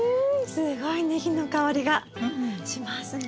すごいネギの香りがしますね。